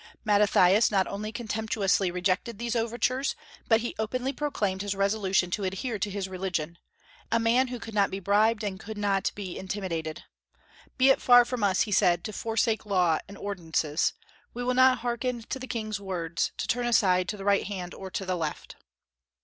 Mattathias not only contemptuously rejected these overtures, but he openly proclaimed his resolution to adhere to his religion, a man who could not be bribed, and who could not be intimidated. "Be it far from us," he said, "to forsake law and ordinances. We will not hearken to the king's words, to turn aside to the right hand or to the left."